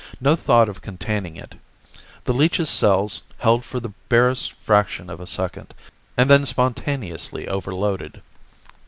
No thought of containing it. The leech's cells held for the barest fraction of a second, and then spontaneously overloaded.